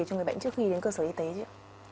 cho người bệnh trước khi đến cơ sở y tế chứ